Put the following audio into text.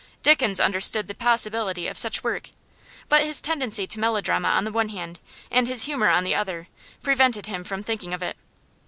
Dickens understood the possibility of such work, but his tendency to melodrama on the one hand, and his humour on the other, prevented him from thinking of it.